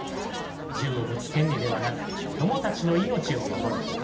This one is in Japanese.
「銃を持つ権利ではなく子どもたちの命を守れ」